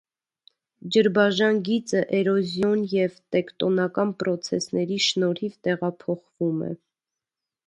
Ջրբաժան գիծը էրոզիոն և տեկտոնական պրոցեսների շնորհիվ տեղափոխվում է։